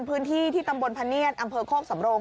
พื้นที่ที่ตำบลพะเนียดอำเภอโคกสำโรง